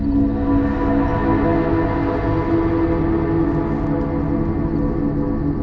ครับ